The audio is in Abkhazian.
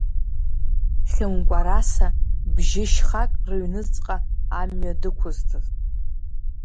Хьымкәараса бжьы-шьхак рынхыҵҟа амҩа дықәызҵаз.